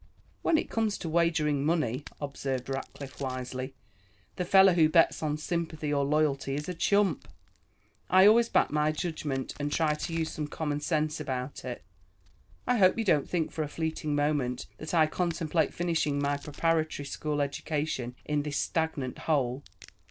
"When it comes to wagering money," observed Rackliff wisely, "the fellow who bets on sympathy or loyalty is a chump. I always back my judgment and try to use some common sense about it. I hope you don't think for a fleeting moment that I contemplate finishing my preparatory school education in this stagnant hole.